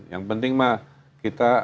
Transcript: yang penting mah kita